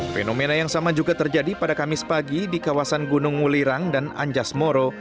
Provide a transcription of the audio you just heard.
fenomena yang sama juga terjadi pada kamis pagi di kawasan gunung ngulirang dan anjas moro